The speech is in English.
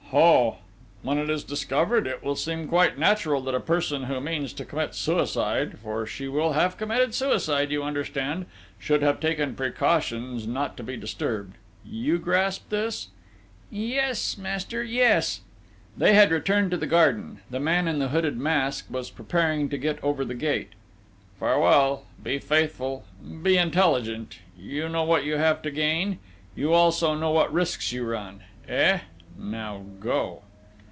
"Ho! When it is discovered, it will seem quite natural that a person who means to commit suicide for she will have committed suicide, you understand should have taken precautions not to be disturbed ... you grasp this?" "Yes, master ... yes!..." They had returned to the garden: the man in the hooded mask was preparing to get over the gate.... "Farewell! Be faithful! Be intelligent!... You know what you have to gain?... You also know what risks you run?... Eh!... Now go!"